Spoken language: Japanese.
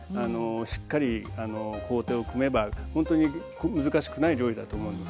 しっかり工程を組めばほんとに難しくない料理だと思うんです。